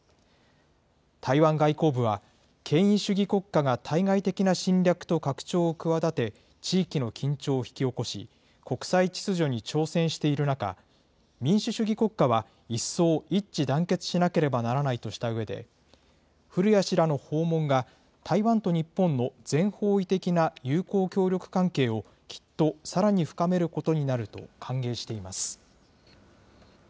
台湾外交部は、権威主義国家が対外的な侵略と拡張を企て、地域の緊張を引き起こし、国際秩序に挑戦している中、民主主義国家は一層一致団結しなければならないとしたうえで、古屋氏らの訪問が、台湾と日本の全方位的な友好協力関係をきっとさらに深めることになると歓迎しています。